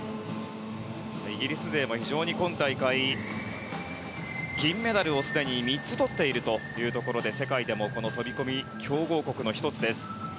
イギリス勢も非常に今大会銀メダルをすでに３つとっているというところで世界でも、この飛込強豪国の１つです。